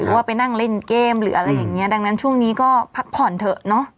ว่าไปนั่งเล่นเกมหรืออะไรอย่างเงี้ดังนั้นช่วงนี้ก็พักผ่อนเถอะเนอะ